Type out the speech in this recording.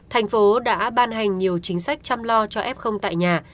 tp hcm đã ban hành nhiều chính sách chăm lo cho f tại nhà